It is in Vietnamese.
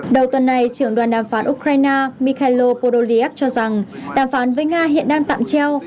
đầu tuần này trưởng đoàn đàm phán ukraine mikhailo podoliad cho rằng đàm phán với nga hiện đang tạm treo